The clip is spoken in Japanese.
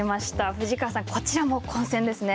藤川さん、こちらも混戦ですね。